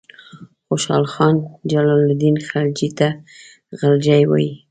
خوشحال خان جلال الدین خلجي ته غلجي وایي.